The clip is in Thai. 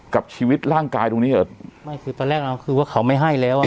กับชีวิตร่างกายตรงนี้เหรอไม่คือตอนแรกเราคือว่าเขาไม่ให้แล้วอ่ะ